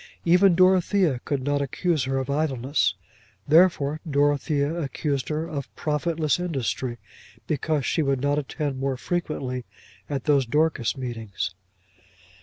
Even Dorothea could not accuse her of idleness. Therefore Dorothea accused her of profitless industry, because she would not attend more frequently at those Dorcas meetings.